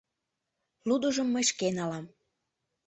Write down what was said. Лудыжым мый шке налам.